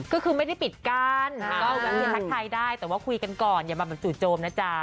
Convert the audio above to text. ก็คือไม่ได้ปิดกั้นก็แวะเวียนทักทายได้แต่ว่าคุยกันก่อนอย่ามาแบบจู่โจมนะจ๊ะ